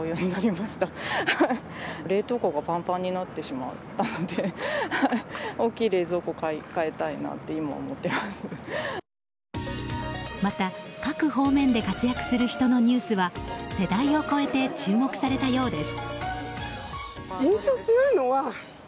また、各方面で活躍する人のニュースは世代を超えて注目されたようです。